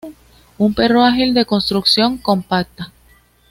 Un perro ágil de construcción compacta.